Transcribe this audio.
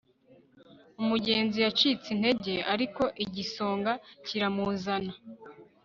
umugenzi yacitse intege, ariko igisonga kiramuzana